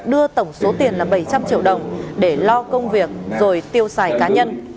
đưa tổng số tiền là bảy trăm linh triệu đồng để lo công việc rồi tiêu xài cá nhân